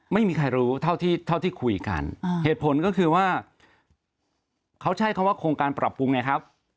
ไม่มีใครรู้เท่าที่คุยกันเหตุผลก็คือว่าเขาใช้คำว่าโครงการปรับปรุงไงครับ